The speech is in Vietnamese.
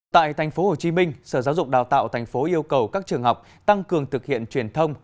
tại tp hcm sở giáo dục đào tạo tp yêu cầu các trường học tăng cường thực hiện truyền thông